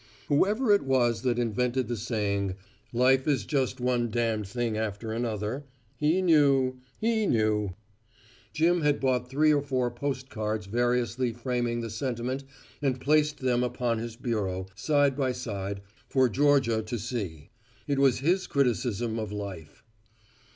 Whoever it was that invented the saying, "Life is just one damned thing after another" he knew, he knew. Jim had bought three or four post cards variously framing the sentiment and placed them upon his bureau, side by side, for Georgia to see. It was his criticism of life.